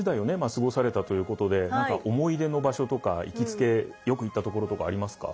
過ごされたということで何か思い出の場所とか行きつけよく行ったところとかありますか？